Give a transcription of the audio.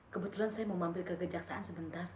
kebetulan saya mau mampir ke kejaksaan sebentar